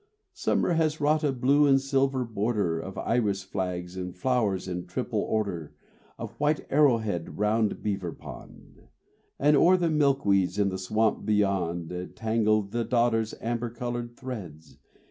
Summer has wrought a blue and silver border Of iris flags and flowers in triple order Of the white arrowhead round Beaver Pond, And o'er the milkweeds in the swamp beyond Tangled the dodder's amber colored threads.